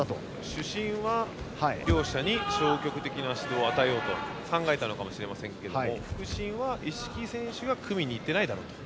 主審は両者に消極的な指導を与えようと考えたのかもしれませんけれども副審は一色選手が組みに行っていないだろうと。